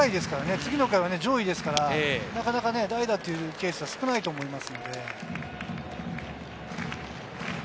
次は上位ですから、なかなか代打というケースは少ないと思います。